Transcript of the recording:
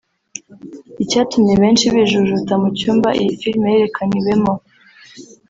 Icyatumye benshi bijujuta mu cyumba iyi filime yerekaniwemo